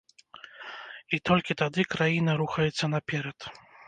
І толькі тады краіна рухаецца наперад.